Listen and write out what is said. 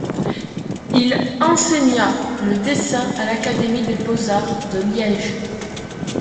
Il enseigna le dessin à l’académie des beaux-arts de Liège.